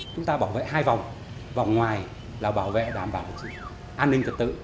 chúng ta bảo vệ hai vòng vòng ngoài là bảo vệ đảm bảo an ninh trật tự